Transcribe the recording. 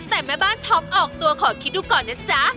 แต่แม่บ้านท็อปออกตัวขอคิดดูก่อนนะจ๊ะ